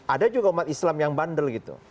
ada juga umat islam yang bandel gitu